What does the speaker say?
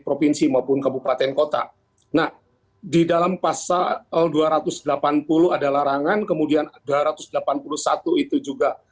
provinsi maupun kabupaten kota nah di dalam pasal dua ratus delapan puluh ada larangan kemudian dua ratus delapan puluh satu itu juga